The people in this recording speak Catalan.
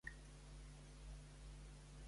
Quants anys feia la Nieves llavors?